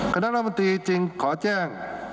คณะรัฐมนตรีจึงขอแจ้ง